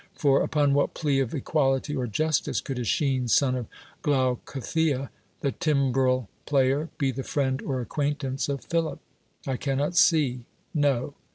For upon what plea of equality or justice could ^s cliinos, son of Glaucothea, the timbrel player, be the friend or acquaintance of Philip ? I cannot see. Xo